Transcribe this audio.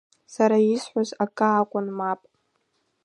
Сара исҳәоз акы акәын мап.